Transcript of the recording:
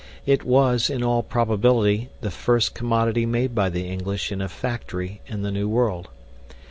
It was, in all probability, the first commodity made by the English in a "factory" in the New World.